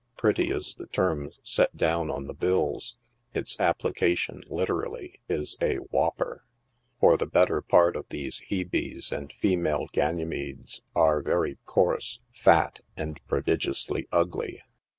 Pretty is the term set down on the " bills" — its appli cation literally is a " whopper," for the better part of these Hebes and female Ganymedes are very coarse, fat and prodigiously ugly.